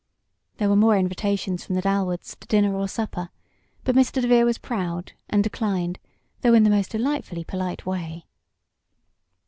There were more invitations from the Dalwoods to dinner or supper, but Mr. DeVere was proud, and declined, though in the most delightfully polite way.